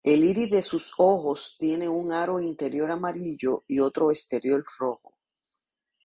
El iris de sus ojos tiene un aro interior amarillo y otro exterior rojo.